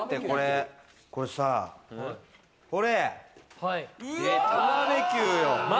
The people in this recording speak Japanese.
これさ、バーベキューよ。